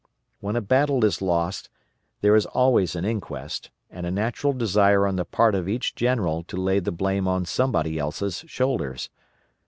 When a battle is lost there is always an inquest, and a natural desire on the part of each general to lay the blame on somebody else's shoulders.